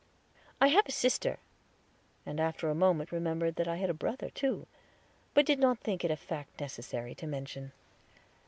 "I have a sister," and after a moment remembered that I had a brother, too; but did not think it a fact necessary to mention.